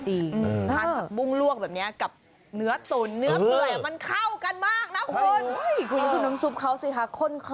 สโลแกนมีคุ้น